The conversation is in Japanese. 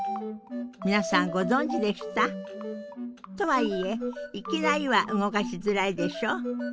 皆さんご存じでした？とはいえいきなりは動かしづらいでしょ？